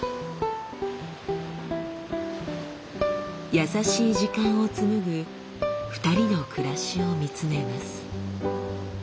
優しい時間を紡ぐ２人の暮らしを見つめます。